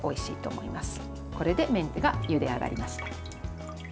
これで麺がゆで上がりました。